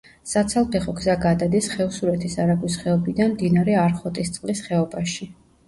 საცალფეხო გზა გადადის ხევსურეთის არაგვის ხეობიდან მდინარე არხოტისწყლის ხეობაში.